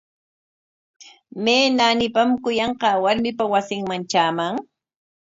¿May naanipam kuyanqaa warmipa wasinman traaman?